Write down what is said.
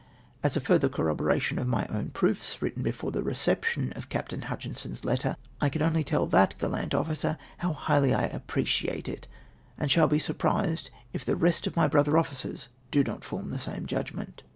As a fmther corroboration of my own proofs, written before the reception of CVipt. Hutchinson's letter, I can only tell that gallant officer how highly I ap preciate it, and shall be surprised if the rest of my brother officers do not form the same judgment.